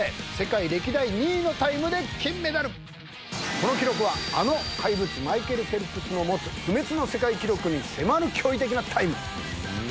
この記録はあの怪物マイケル・フェルプスの持つ不滅の世界記録に迫る驚異的なタイム。